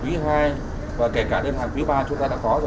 quý hai và kể cả đơn hàng quý ba chúng ta đã có rồi